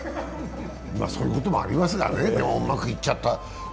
そういうこともありますからね、でもうまくいっちゃった。